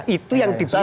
itu yang dipisahkan